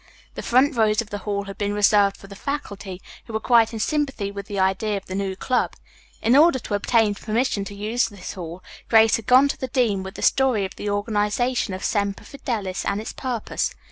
The front rows of the hall had been reserved for the faculty, who were quite in sympathy with the idea of the new club. In order to obtain permission to use this hall, Grace had gone to the dean with the story of the organization of Semper Fidelis and its purpose.